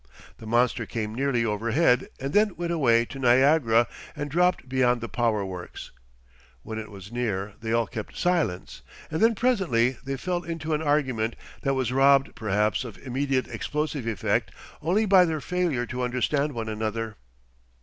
The monster came nearly overhead and then went away to Niagara and dropped beyond the power works. When it was near, they all kept silence, and then presently they fell into an argument that was robbed perhaps of immediate explosive effect only by their failure to understand one another.